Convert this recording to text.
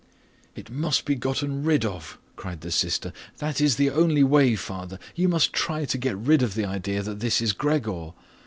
.." "It must be gotten rid of," cried the sister. "That is the only way, father. You must try to get rid of the idea that this is Gregor.